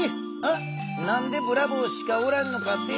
なんでブラボーしかおらんのかって？